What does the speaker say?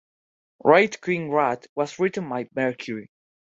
"Great King Rat" was written by Mercury.